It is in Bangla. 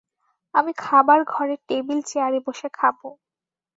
আমি খাবার ঘরে টেবিল-চেয়ারে বসে খাব।